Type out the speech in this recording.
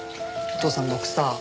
お父さん僕さ。